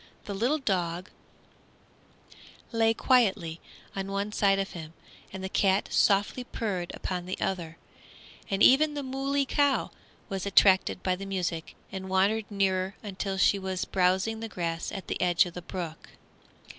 The little dog lay quietly on one side of him, and the cat softly purred upon the other, and even the moolie cow was attracted by the music and wandered near until she was browsing the grass at the edge of the brook.